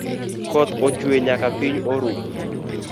Koth ochwe nyaka piny oru